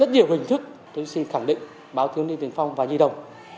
rất nhiều hình thức tôi xin khẳng định báo thiếu niên tiền phong và nhi đồng